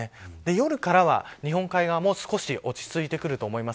夜からは日本海側も少し落ち着いてくると思います。